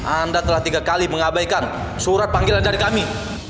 anda telah tiga kali mengabaikan surat panggilan dari kami